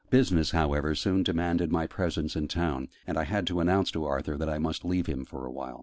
Business however soon demanded my presence in town; and I had to announce to Arthur that I must leave him for a while.